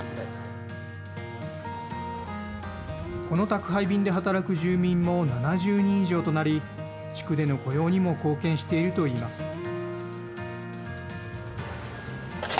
この宅配便で働く住民も７０人以上となり地区での雇用にも貢献しているといいます。